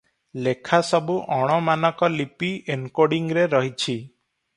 ଲେଖାସବୁ ଅଣ-ମାନକ ଲିପି ଏନକୋଡ଼ିଂରେ ରହିଛି ।